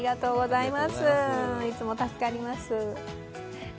いつも助かります。